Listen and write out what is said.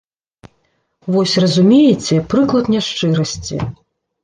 Вось, разумееце, прыклад няшчырасці!